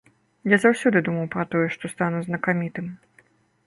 Я заўсёды думаў пра тое, што стану знакамітым.